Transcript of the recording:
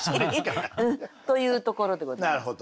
というところでございます。